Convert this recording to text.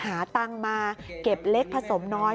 หาตังค์มาเก็บเล็กผสมน้อย